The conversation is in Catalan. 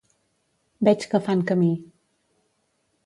Veig que fan camí.